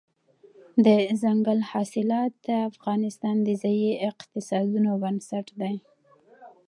دځنګل حاصلات د افغانستان د ځایي اقتصادونو بنسټ دی.